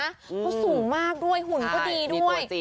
เขาสูงมากด้วยหุ่นก็ดีด้วย